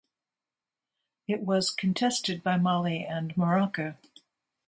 It was contested by Mali and Morocco.